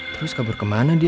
terus kabur kemana dia